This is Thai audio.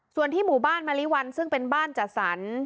ส่วนที่หมู่บ้านมะลิวันซึ่งเป็นบ้านจัดสรร